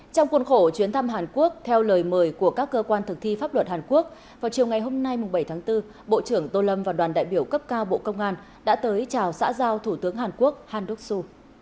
trong khuôn khổ chuyến thăm hàn quốc theo lời mời của các cơ quan thực thi pháp luật hàn quốc vào chiều ngày hôm nay bảy tháng bốn bộ trưởng tô lâm và đoàn đại biểu cấp cao bộ công an đã tới chào xã giao thủ tướng hàn quốc handonsu